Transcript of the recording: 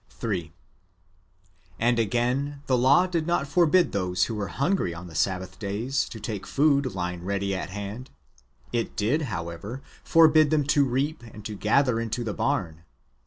3. And again, the law did not forbid those who were hungry on the Sabbath days to take food lying ready at hand : it did, however, forbid them to reap and to gather into the barn.